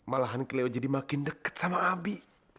malahan kelewet jadi makin deket sama abi